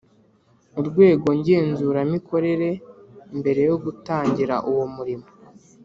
urwego ngenzuramikorere mbere yo gutangira uwo murimo.